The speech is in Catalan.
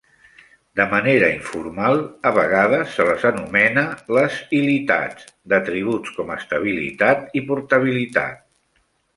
De manera informal, a vegades, se les anomena les "ilitats", d'atributs com estabilitat i portabilitat.